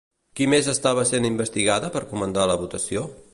Qui més estava sent investigada per comandar la votació?